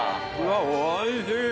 おいしい！